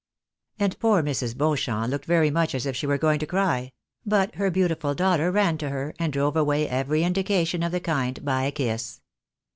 And poor Mrs. Beauchamp looked very much as if she were going to cry ; but her beautiful daughter ran to her, and drove away every indication of the kind by a kiss.